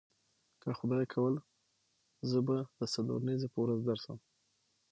که خدای کول زه د څلورنیځې په ورځ درسم.